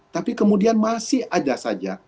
tapi kemudian masih ada saja